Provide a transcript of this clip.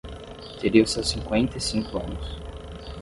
teria os seus cinqüenta e cinco anos.